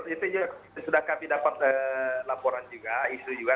itu sudah kami dapat laporan juga isu juga